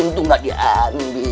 untung gak diambil